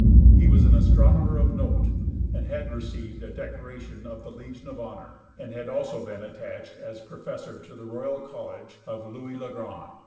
He was an astronomer of note, and had received a decoration of the Legion of Honor, and had also been attached as professor to the Royal College of "Louis Le Grande."